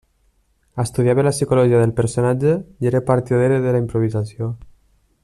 Estudiava la psicologia del personatge i era partidari de la improvisació.